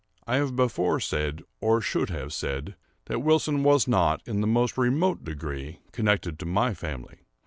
I have before said, or should have said, that Wilson was not, in the most remote degree, connected with my family.